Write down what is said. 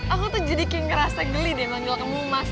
aku tuh jadi ngerasa geli deh manggil kamu mas